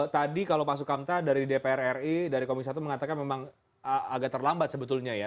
tadi kalau pak sukamta dari dpr ri dari komisi satu mengatakan memang agak terlambat sebetulnya ya